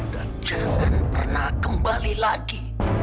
dan jangan pernah kembali lagi